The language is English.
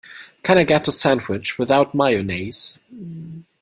Can I get the sandwich without mayonnaise?